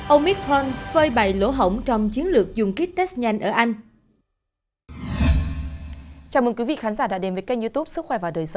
ông mick horne phơi bày lỗ hổng trong chiến lược dùng kit test nhanh ở anh